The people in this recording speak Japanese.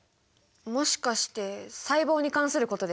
もしかして細胞に関することですか？